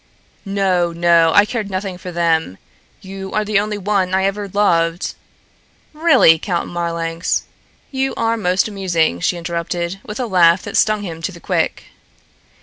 "No, no! I cared nothing for them. You are the only one I ever loved " "Really, Count Marlanx, you are most amusing," she interrupted, with a laugh that stung him to the quick.